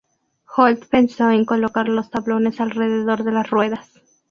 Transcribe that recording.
Holt pensó en colocar los tablones alrededor de las ruedas.